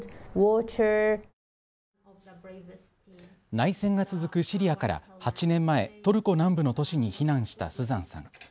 内戦が続くシリアから８年前、トルコ南部の都市に避難したスザンさん。